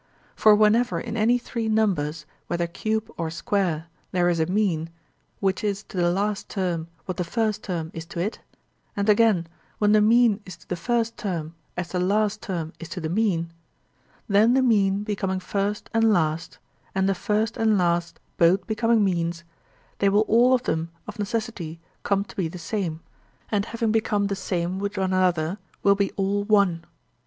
For whenever in any three numbers, whether cube or square, there is a mean, which is to the last term what the first term is to it; and again, when the mean is to the first term as the last term is to the mean—then the mean becoming first and last, and the first and last both becoming means, they will all of them of necessity come to be the same, and having become the same with one another will be all one.